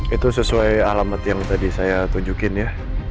itu sesuai alamat yang tadi saya tunjukin ya